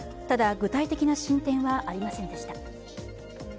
ただ、具体的な進展はありませんでした。